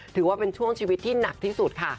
ถือว่าเป็นช่วงชีวิตที่หนักที่สุดค่ะ